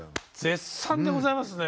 絶賛でございますね。